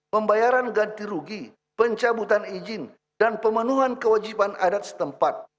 pembayaran ganti rugi pencabutan izin dan pemenuhan kewajiban adat setempat